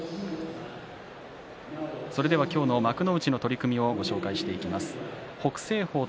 今日の幕内の取組をご紹介していきます。